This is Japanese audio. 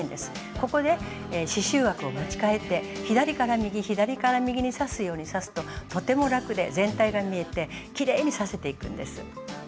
ここで刺しゅう枠を持ち替えて左から右左から右に刺すように刺すととても楽で全体が見えてきれいに刺せていくんです。